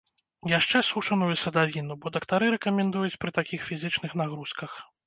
Яшчэ сушаную садавіну, бо дактары рэкамендуюць пры такіх фізічных нагрузках.